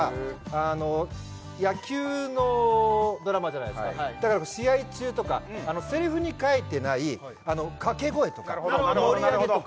あの野球のドラマじゃないですかだから試合中とかあのセリフに書いてないあの掛け声とか盛り上げとか・